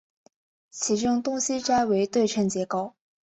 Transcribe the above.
其中东西斋为对称结构。